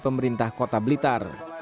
pemerintah kota blitar